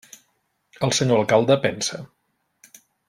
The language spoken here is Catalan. El senyor alcalde pensa.